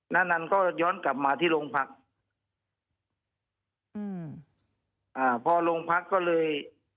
นานันก็ย้อนกลับมาที่โรงพักอืมอ่าพอโรงพักก็เลย